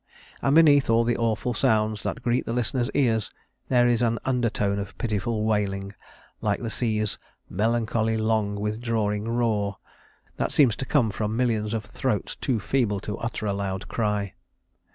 And beneath all the awful sounds that greet the listener's ears, there is an undertone of pitiful wailing like the sea's "melancholy, long withdrawing roar" that seems to come from millions of throats too feeble to utter a loud cry.